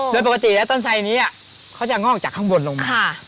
โดยปกติแล้วต้นไสนี้เขาจะงอกจากข้างบนลงมา